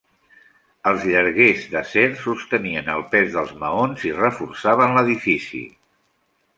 Els llarguers d'acer sostenien el pes dels maons i reforçaven l'edifici.